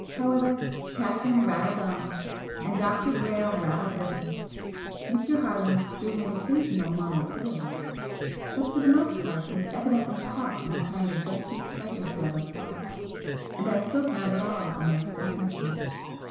However, Catherine rattled on, and Dr. Brayle rattled with her, Mr. Harland threw in occasional monosyllables, but for the most part was evidently caught in a kind of dusty spider's web of thought, and I spoke not at all unless spoken to.